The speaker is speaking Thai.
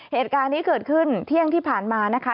เหตุการณ์นี้เกิดขึ้นเที่ยงที่ผ่านมานะคะ